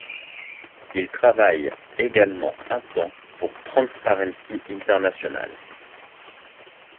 Il travaille également un temps pour Transparency International.